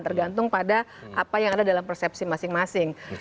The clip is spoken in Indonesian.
tergantung pada apa yang ada dalam persepsi masing masing